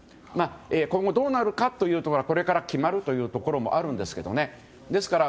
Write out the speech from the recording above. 今後どうなるかというのはこれから決まるところもあるんですけどね。